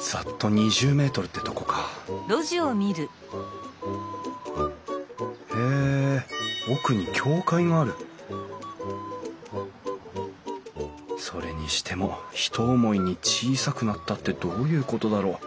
ざっと２０ｍってとこかへえ奥に教会があるそれにしても「ひと思いに小さくなった」ってどういうことだろう？